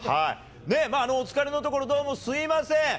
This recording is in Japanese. お疲れのところ、どうもすみません！